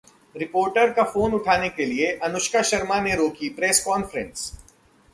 reporter का phone उठाने के लिए अनुष्का शर्मा ने रोकी प्रेस कॉन्फ्रेंस